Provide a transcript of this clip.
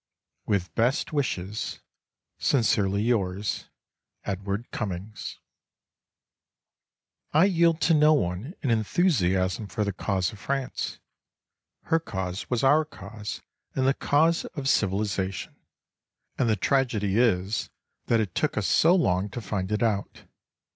With best wishes, Sincerely yours, EDWARD CUMMINGS I yield to no one in enthusiasm for the cause of France. Her cause was our cause and the cause of civilization; and the tragedy is that it took us so long to find it out.